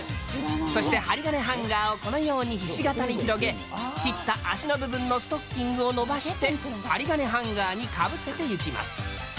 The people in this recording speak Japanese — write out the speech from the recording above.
そして針金ハンガーをこのようにひし形に広げ、切った足の部分のストッキングをのばして針金ハンガーにかぶせていきます。